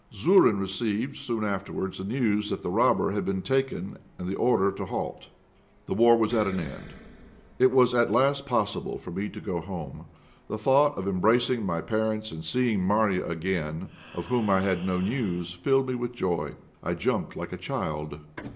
Zourine received soon afterwards the news that the robber had been taken and the order to halt. The war was at an end. It was at last possible for me to go home. The thought of embracing my parents and seeing Marya again, of whom I had no news, filled me with joy. I jumped like a child.